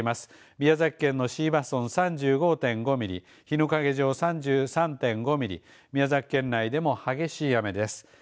宮崎県の椎葉村３５．５ミリ日之影町３３．５ミリ宮崎県内でも激しい雨です。